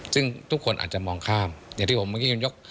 ซึ่งทุกคนอาจจะมองข้ามอย่างที่ผมเมื่อกี้คุณยก